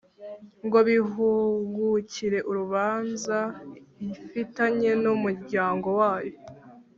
ngo bihugukire urubanza ifitanye n'umuryango wayo